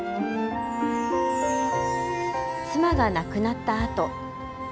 妻が亡くなったあと。